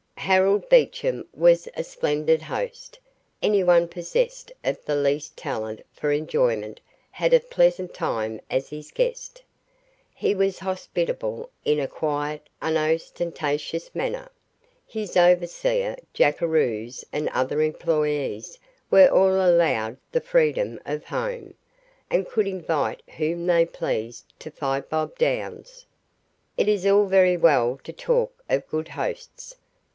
Harold Beecham was a splendid host. Anyone possessed of the least talent for enjoyment had a pleasant time as his guest. He was hospitable in a quiet unostentatious manner. His overseer, jackeroos, and other employees were all allowed the freedom of home, and could invite whom they pleased to Five Bob Downs. It is all very well to talk of good hosts.